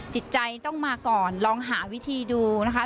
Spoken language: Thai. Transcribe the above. จิตใจต้องมาก่อนลองหาวิธีดูนะคะ